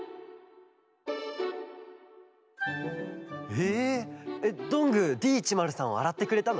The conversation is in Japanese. へえどんぐーＤ１０３をあらってくれたの？